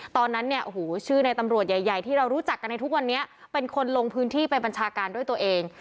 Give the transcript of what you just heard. ตอนนั้นเนี่ยโอ้โหชื่อในตำรวจใหญ่ที่เรารู้จักกันในทุกวันนี้เป็นคนลงพื้นที่ไปบัญชาการด้วยตัวเอง